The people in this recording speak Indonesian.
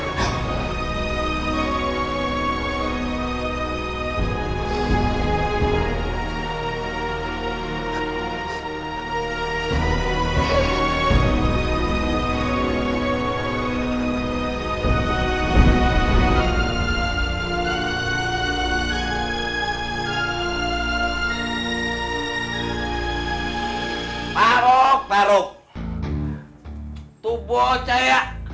sampai jumpa di video selanjutnya